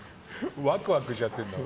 ワクワクしちゃってる。